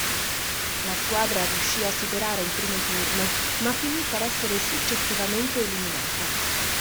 La squadra riuscì a superare il primo turno ma finì per essere successivamente eliminata.